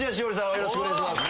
よろしくお願いします。